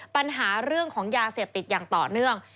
ปัญหาเรื่องของยาเสพติดอย่างต่อเนื่อง